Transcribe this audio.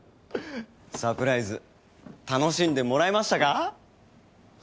サプライズ楽しんでもらえましたか？